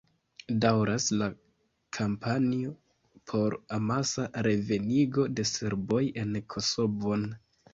Daŭras la kampanjo por amasa revenigo de serboj en Kosovon.